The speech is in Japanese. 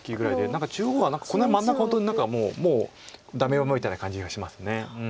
何か中央はこの辺真ん中本当にもうダメみたいな感じがします。